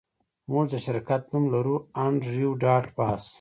موږ د شرکت نوم لرو انډریو ډاټ باس